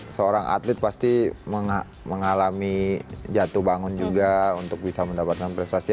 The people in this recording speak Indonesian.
karena seorang atlet pasti mengalami jatuh bangun juga untuk bisa mendapatkan prestasi